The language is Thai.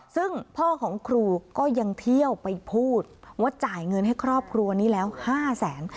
ซึ่งพ่อของครูก็ยังเที่ยวไปพูดว่าจ่ายเงินให้ครอบครัวนี้แล้ว๕แสน